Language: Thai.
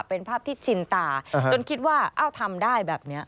เป็นภาพที่ชินตาจนคิดว่าเอ้าทำได้แบบนี้